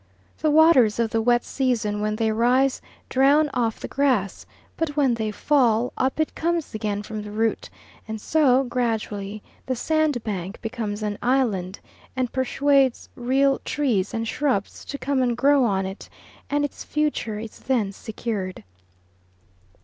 The waters of the wet season when they rise drown off the grass; but when they fall, up it comes again from the root, and so gradually the sandbank becomes an island and persuades real trees and shrubs to come and grow on it, and its future is then secured.